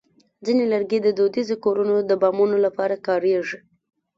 ځینې لرګي د دودیزو کورونو د بامونو لپاره کارېږي.